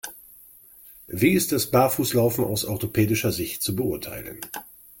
Wie ist das Barfußlaufen aus orthopädischer Sicht zu beurteilen?